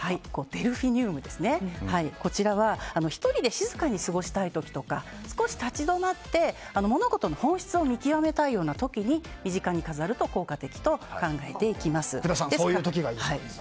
デルフィニュウムは１人で静かに過ごしたい時とか少し立ち止まって物事の本質を見極めたいような時身近に飾ると効果的と考えていきます。